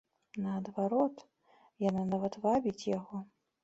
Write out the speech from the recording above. Наадварот, яна нават вабіць яго.